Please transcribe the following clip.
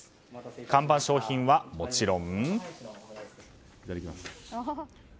看板商品は、もちろん。